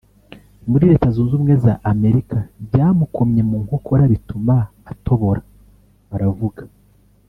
muri Leta Zunze Ubumwe za Amerika byamukomye mu nkokora bituma atobora aravuga